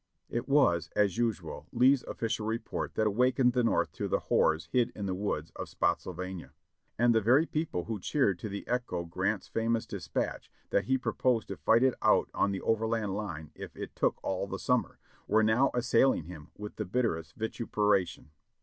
It was, as usual, Lee's official report that awakened the North to the horrors hid in the woods of Spottsylvania ; and the very people who cheered to the echo Grant's famous dispatch, that he proposed to fight it out on the overland line if it took all the summer, were now assailing him with the bitterest vituperation.